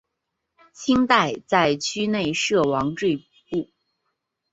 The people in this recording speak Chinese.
清代在区内设王赘步。